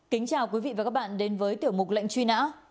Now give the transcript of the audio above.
kính chào quý vị và các bạn đến với tiểu mục lệnh truy nã